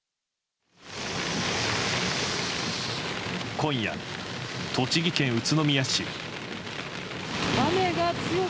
今夜、栃木県宇都宮市。